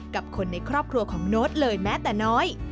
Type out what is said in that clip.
กับคนในครอบครัวของโน้ตเลยแม้แต่น้อย